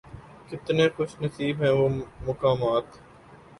کتنے خوش نصیب ہیں وہ مقامات